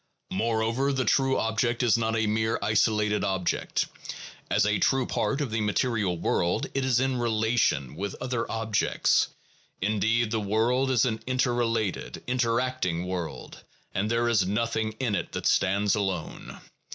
Moreover, the true object is not a mere isolated object; as a true part of the material world it is in relation with other objects; indeed, the world is an inter related, inter acting world, and there is nothing in it that stands alone.